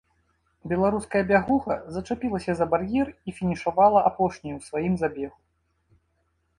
Беларуская бягуха зачапілася за бар'ер і фінішавала апошняй у сваім забегу.